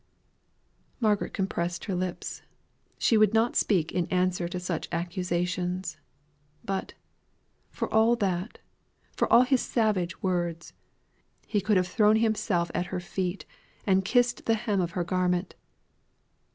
Margaret compressed her lips. She would not speak in answer to such accusations. But, for all that for all his savage words, he could have thrown himself at her feet, and kissed the hem of her garment.